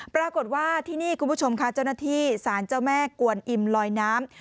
ปรากฏว่าที่นี่คุณผู้ชมค่ะเจ้าหน้าที่สารเจ้าแม่กวนอิ่มลอยน้ำ